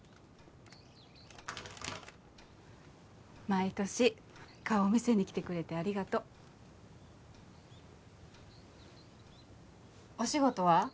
毎年顔を見せに来てくれてありがとうお仕事は？